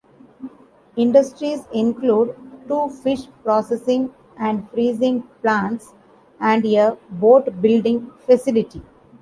Industries include two fish processing and freezing plants and a boat building facility.